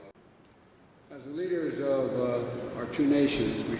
sebagai pemimpin kedua negara kami berbagi tanggung jawab